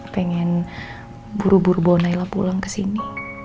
pengen buru buru bawa nailah pulang kesini